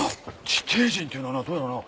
地底人っていうのはなどうやらな。